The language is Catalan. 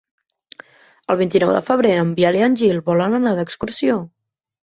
El vint-i-nou de febrer en Biel i en Gil volen anar d'excursió.